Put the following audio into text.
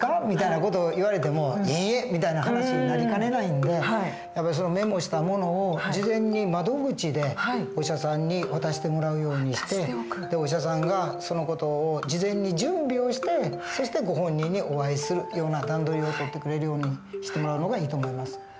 みたいな事を言われても「いいえ」みたいな話になりかねないんでメモしたものを事前に窓口でお医者さんに渡してもらうようにしてお医者さんがその事を事前に準備をしてそしてご本人にお会いするような段取りを取ってくれるようにしてもらうのがいいと思います。